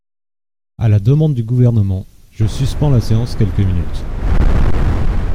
À la demande du Gouvernement, je suspends la séance quelques minutes.